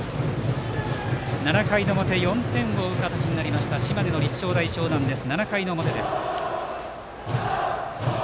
７回の表、４点を追う形になった島根の立正大淞南です。